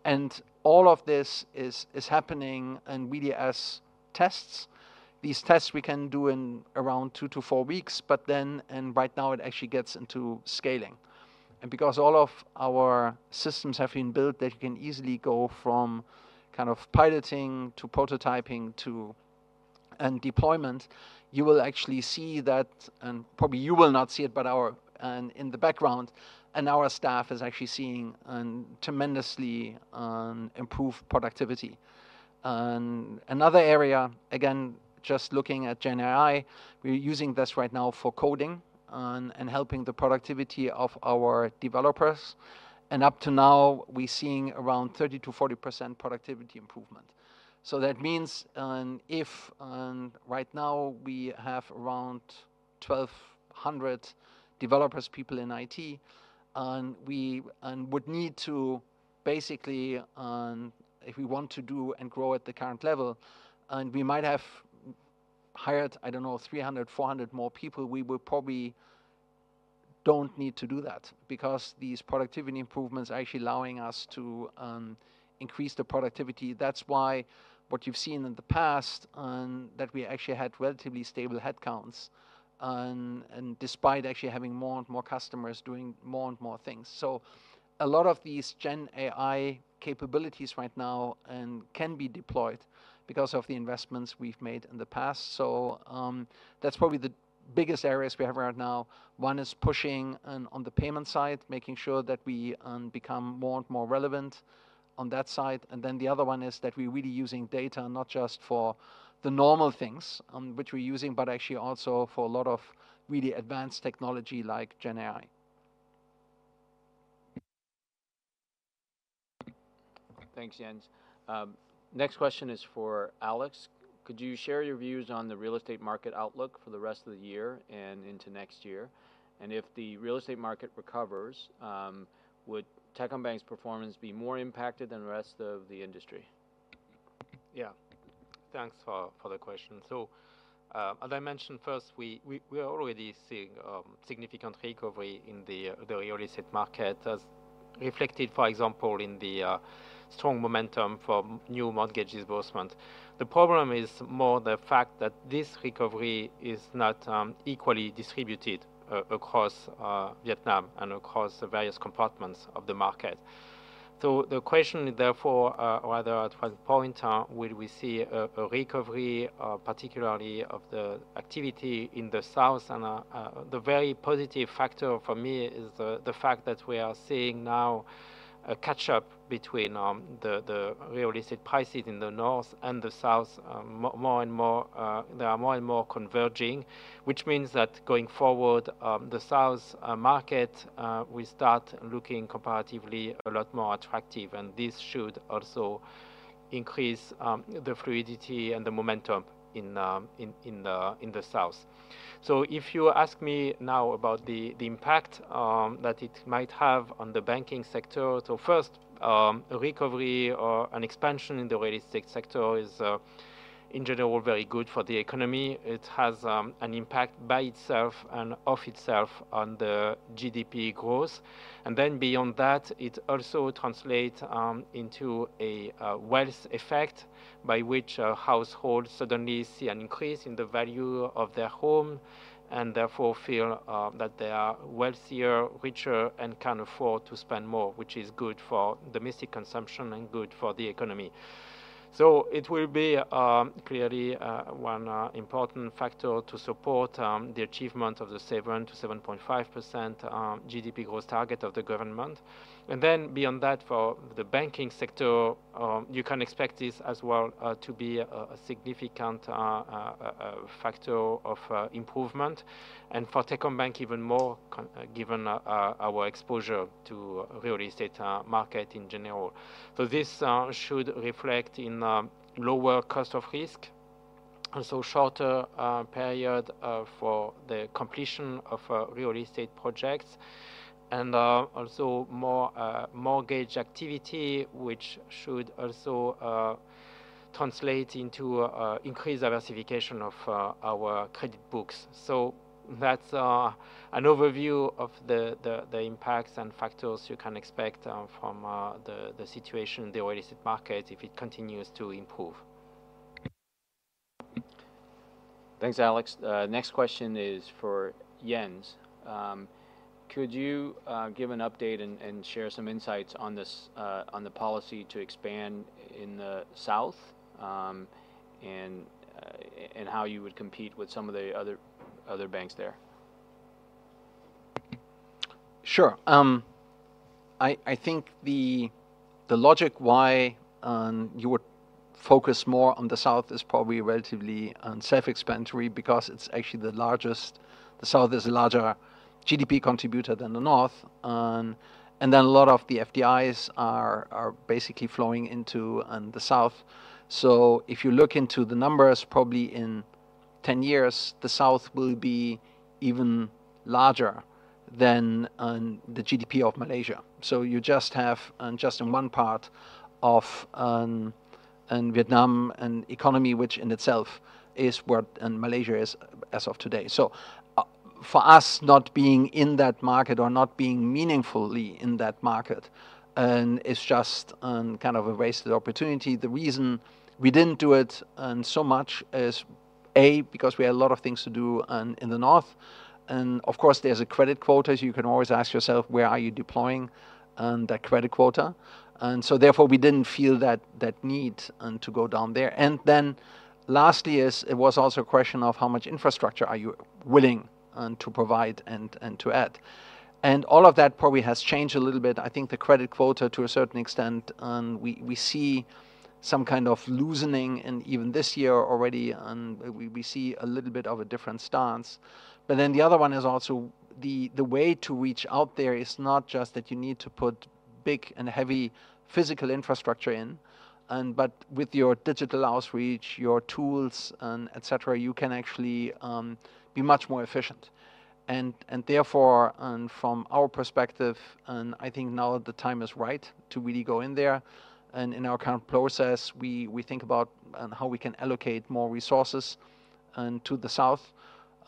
And all of this is happening, and really as tests. These tests we can do in around two to four weeks, but then, and right now it actually gets into scaling. And because all of our systems have been built, they can easily go from kind of piloting to prototyping to deployment. You will actually see that, and probably you will not see it, but our, in the background, and our staff is actually seeing tremendously improved productivity. Another area, again, just looking at Gen AI, we're using this right now for coding and helping the productivity of our developers. And up to now, we're seeing around 30%-40% productivity improvement. So that means if right now we have around 1,200 developers, people in IT, we would need to basically if we want to do and grow at the current level, and we might have hired, I don't know, 300, 400 more people. We will probably don't need to do that because these productivity improvements are actually allowing us to increase the productivity. That's why what you've seen in the past that we actually had relatively stable headcounts and despite actually having more and more customers doing more and more things. So, a lot of these Gen AI capabilities right now can be deployed because of the investments we've made in the past. So that's probably the biggest areas we have right now. One is pushing on the payment side, making sure that we become more and more relevant on that side. And then the other one is that we're really using data, not just for the normal things which we're using, but actually also for a lot of really advanced technology like Gen AI. Thanks, Jens. Next question is for Alex: Could you share your views on the real estate market outlook for the rest of the year and into next year? And if the real estate market recovers, would Techcombank's performance be more impacted than the rest of the industry? Yeah. Thanks for the question. So, as I mentioned, first, we are already seeing significant recovery in the real estate market, as reflected, for example, in the strong momentum for new mortgage disbursement. The problem is more the fact that this recovery is not equally distributed across Vietnam and across the various compartments of the market. So, the question is, therefore, whether at what point will we see a recovery, particularly of the activity in the South. The very positive factor for me is the fact that we are seeing now a catch-up between the real estate prices in the North and the South. More and more, they are more and more converging, which means that going forward, the South market will start looking comparatively a lot more attractive, and this should also increase the fluidity and the momentum in the South. If you ask me now about the impact that it might have on the banking sector, first, a recovery or an expansion in the real estate sector is, in general, very good for the economy. It has an impact by itself and of itself on the GDP growth. And then beyond that, it also translates into a wealth effect, by which households suddenly see an increase in the value of their home, and therefore feel that they are wealthier, richer, and can afford to spend more, which is good for domestic consumption and good for the economy. So it will be clearly one important factor to support the achievement of the 7% to 7.5% GDP growth target of the government. And then beyond that, for the banking sector, you can expect this as well to be a significant factor of improvement, and for Techcombank even more so given our exposure to real estate market in general. So this should reflect in lower cost of risk, and so shorter period for the completion of real estate projects, and also more mortgage activity, which should also translate into increased diversification of our credit books. So that's an overview of the impacts and factors you can expect from the situation in the real estate market, if it continues to improve. Thanks, Alex. Next question is for Jens. Could you give an update and share some insights on the policy to expand in the South? And how you would compete with some of the other banks there. Sure. I think the logic why you would focus more on the South is probably relatively self-explanatory, because it's actually the largest. The South is a larger GDP contributor than the North, and then a lot of the FDIs are basically flowing into the South. So, if you look into the numbers, probably in 10 years, the South will be even larger than the GDP of Malaysia. So, you just have just in one part of in Vietnam an economy, which in itself is what Malaysia is as of today. So, for us, not being in that market or not being meaningfully in that market is just kind of a wasted opportunity. The reason we didn't do it so much is, A, because we had a lot of things to do in the North. And of course, there's a credit quota, as you can always ask yourself, where are you deploying that credit quota? And so therefore, we didn't feel that need to go down there. And then last years, it was also a question of how much infrastructure are you willing to provide and to add. And all of that probably has changed a little bit. I think the credit quota, to a certain extent, we see some kind of loosening, and even this year already, we see a little bit of a different stance. But then the other one is also the way to reach out there is not just that you need to put big and heavy physical infrastructure in, but with your digital outreach, your tools, and et cetera, you can actually be much more efficient. And therefore, from our perspective, I think now the time is right to really go in there. And in our current process, we think about how we can allocate more resources to the South.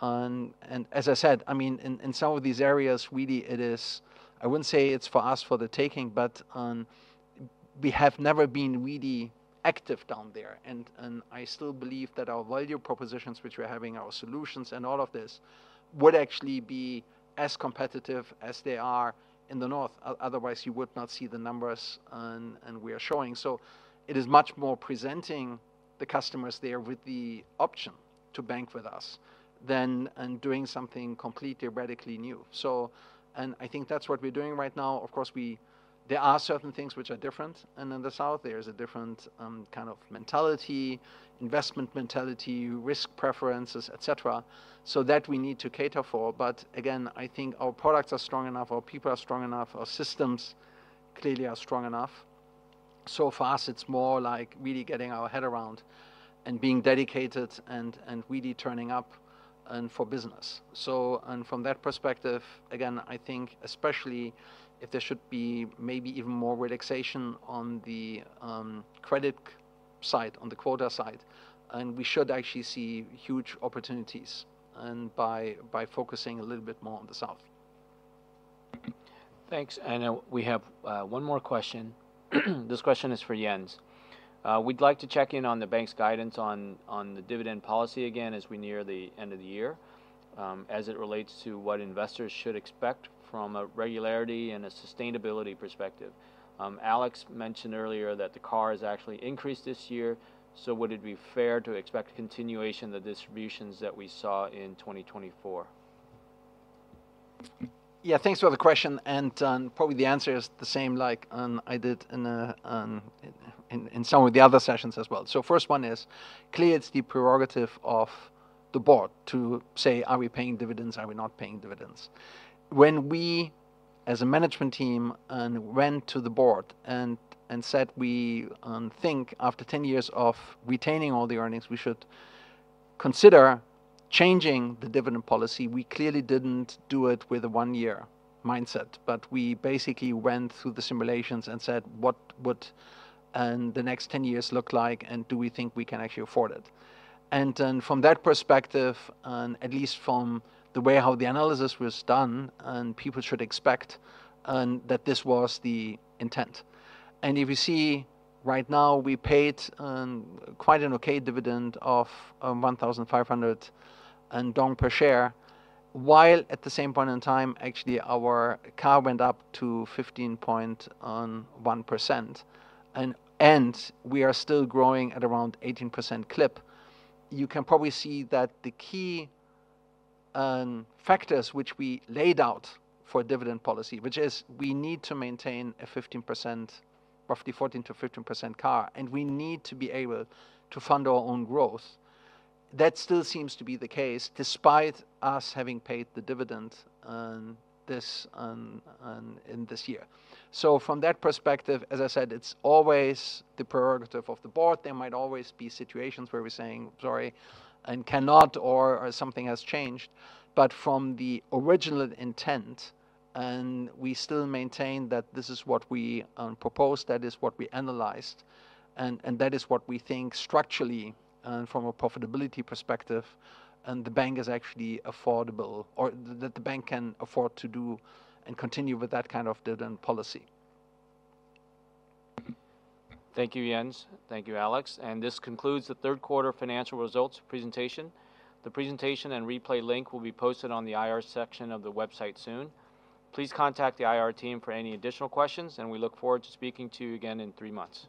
And as I said, I mean, in some of these areas, really it is... I wouldn't say it's for us, for the taking, but we have never been really active down there. And I still believe that our value propositions, which we're having, our solutions and all of this, would actually be as competitive as they are in the North. Otherwise, you would not see the numbers and we are showing. So it is much more presenting the customers there with the option to bank with us than doing something completely radically new. So. And I think that's what we're doing right now. Of course, there are certain things which are different. And in the South, there is a different kind of mentality, investment mentality, risk preferences, et cetera, so that we need to cater for. But again, I think our products are strong enough, our people are strong enough, our systems clearly are strong enough. So, for us, it's more like really getting our head around and being dedicated and really turning up for business. So, from that perspective, again, I think especially if there should be maybe even more relaxation on the credit side, on the quota side, we should actually see huge opportunities, and by focusing a little bit more on the South. Thanks. We have one more question. This question is for Jens. We'd like to check in on the bank's guidance on the dividend policy again, as we near the end of the year, as it relates to what investors should expect from a regularity and a sustainability perspective. Alex mentioned earlier that the CAR has actually increased this year, so would it be fair to expect continuation of the distributions that we saw in 2024? Yeah, thanks for the question, and probably the answer is the same, like, I did in some of the other sessions as well. So, first one is, clearly, it's the prerogative of the board to say, "Are we paying dividends? Are we not paying dividends?" When we, as a management team, went to the board and said, we think after 10 years of retaining all the earnings, we should consider changing the dividend policy, we clearly didn't do it with a one-year mindset. But we basically went through the simulations and said, "What would the next 10 years look like, and do we think we can actually afford it?" And, from that perspective, and at least from the way how the analysis was done, and people should expect, that this was the intent. And if you see, right now, we paid quite an okay dividend of 1,500 per share, while at the same point in time, actually, our CAR went up to 15.1%. And we are still growing at around 18% clip. You can probably see that the key factors which we laid out for dividend policy, which is we need to maintain a 15%, roughly 14%-15% CAR, and we need to be able to fund our own growth. That still seems to be the case, despite us having paid the dividend this year. So from that perspective, as I said, it is always the prerogative of the board. There might always be situations where we are saying, "Sorry, and cannot," or something has changed. But from the original intent, we still maintain that this is what we proposed, that is what we analyzed, and that is what we think structurally, from a profitability perspective, and the bank is actually affordable or that the bank can afford to do and continue with that kind of dividend policy. Thank you, Jens. Thank you, Alex. And this concludes the third quarter financial results presentation. The presentation and replay link will be posted on the IR section of the website soon. Please contact the IR team for any additional questions, and we look forward to speaking to you again in three months.